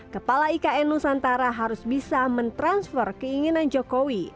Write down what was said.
kepala ikn nusantara harus bisa mentransfer keinginan jokowi